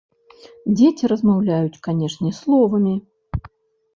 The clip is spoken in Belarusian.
Дзеці размаўляюць, канешне, словамі.